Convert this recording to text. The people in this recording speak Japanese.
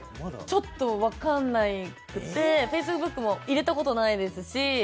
ちょっとわかんなくてフェイスブックも入れた事ないですし。